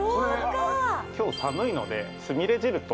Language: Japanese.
今日寒いのでつみれ汁と。